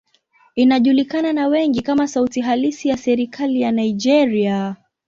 Inajulikana na wengi kama sauti halisi ya serikali ya Nigeria.